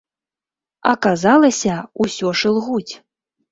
Аказалася, усё ж ілгуць.